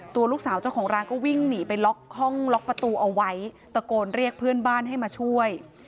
ตัวลูกสาวเจ้าของร้านก็วิ่งหนีไปล็อกห้องล็อกประตูเอาไว้ตะโกนเรียกเพื่อนบ้านให้มาช่วย